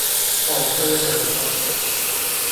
何去何從